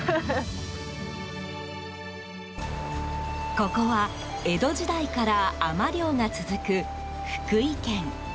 ここは、江戸時代から海女漁が続く福井県。